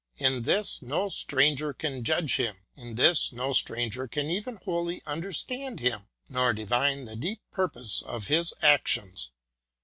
In this no stranger can judge him, in this no stranger can even wholly understand him, nor divine the deep purpose of his actions.